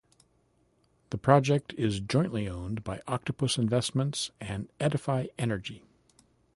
The project is jointly owned by Octopus Investments and Edify Energy.